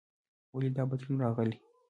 ولې دا بدلون راغلی؟